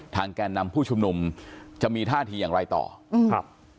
แก่นำผู้ชุมนุมจะมีท่าทีอย่างไรต่ออืมครับ